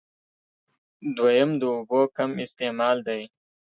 دويم د اوبو کم استعمال دی